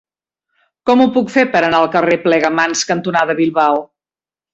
Com ho puc fer per anar al carrer Plegamans cantonada Bilbao?